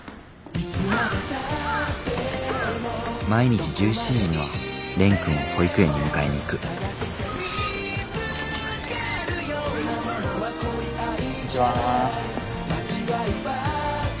毎日１７時には蓮くんを保育園に迎えに行くこんにちは。